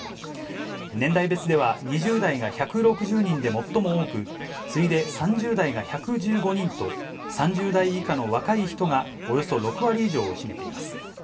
年代別では２０代が１６０人で最も多く、次いで３０代が１１５人と、３０代以下の若い人がおよそ６割以上を占めています。